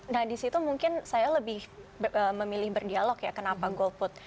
nah disitu mungkin saya lebih memilih berdialog ya kenapa golput